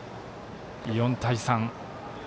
４対３。